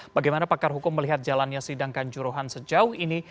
bagaimana pakar hukum melihat jalannya sidang kanjuruhan sejauh ini